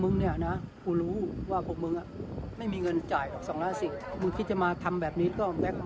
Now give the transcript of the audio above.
ไม่มีเงินจ่ายสองล้านสิบมึงคิดจะมาทำแบบนี้ก็แว๊กเมย์